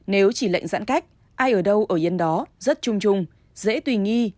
nếu chỉ lệnh giãn cách ai ở đâu ở yên đó rất chung trung dễ tùy nghi